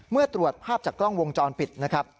เมื่อตรวจภาพจากกล้องวงจรปิดนะครับ